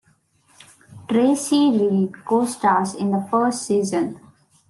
Tracy Reed co-stars in the first season.